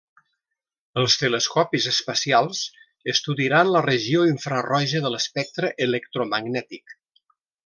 Els telescopis espacials estudiaran la regió infraroja de l'espectre electromagnètic.